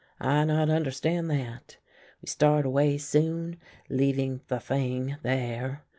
I not understand that. We start away soon, leaving the thing there.